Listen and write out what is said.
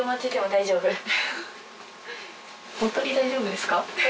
大丈夫です。